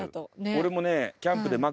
俺もね。